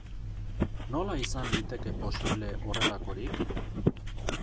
Nola izan liteke posible horrelakorik?